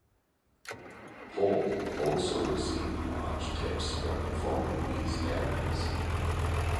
Paul also received large tips for performing these errands.